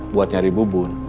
buat nyari bubun